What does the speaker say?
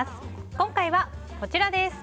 今回はこちらです。